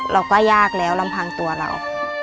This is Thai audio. เราก็ยากแล้วลำพังตัวเรา